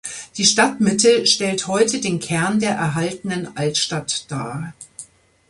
Die Stadtmitte stellt heute den Kern der erhaltenen Altstadt dar.